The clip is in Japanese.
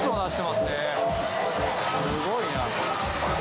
すごいな。